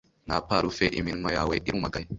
nta parufe iminwa yawe irumagaye